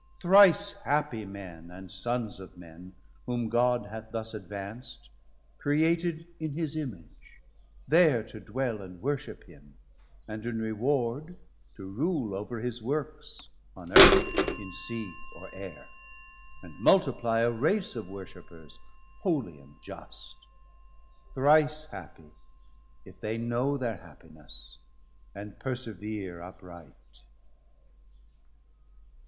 Thrice happie men, And sons of men, whom God hath thus advanc't, Created in his Image, there to dwell And worship him, and in reward to rule Over his Works, on Earth, in Sea, or Air, And multiply a Race of Worshippers 630 Holy and just: thrice happie if they know Thir happiness, and persevere upright.